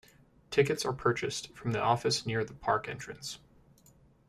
Tickets are purchased from the office near the park entrance.